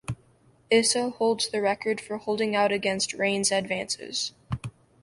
Issa holds the record for holding out against Rayne's advances.